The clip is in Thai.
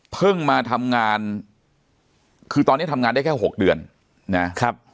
เพิ่งมาทำงานคือตอนนี้ทำงานได้แค่๖เดือนนะครับ